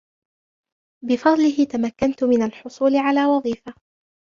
بفضله ، تمكنت من الحصول على وظيفة.